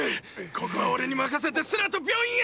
ここはおれに任せてセラと病院へ！！